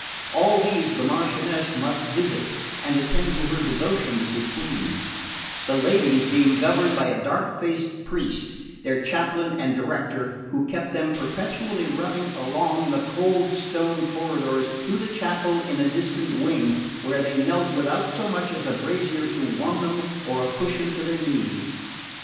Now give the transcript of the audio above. All these the Marchioness must visit, and attend to her devotions between; the ladies being governed by a dark faced priest, their chaplain and director, who kept them perpetually running along the cold stone corridors to the chapel in a distant wing, where they knelt without so much as a brazier to warm them or a cushion to their knees.